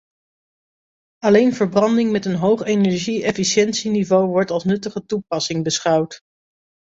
Alleen verbranding met een hoog energie-efficiëntieniveau wordt als nuttige toepassing beschouwd.